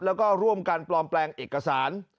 แล้วก็ร่วมกันปลอมแปลงเอกสาร